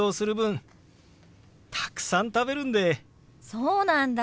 そうなんだ！